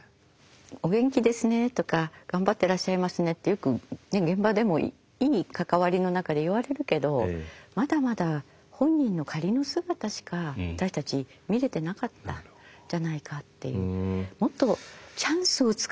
「お元気ですね」とか「頑張ってらっしゃいますね」ってよく現場でもいい関わりの中で言われるけどまだまだ本人の仮の姿しか私たち見れてなかったんじゃないかっていう。